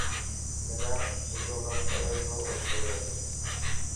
منا جڪو ڪم ڪيو ٿو او ٿي گيو.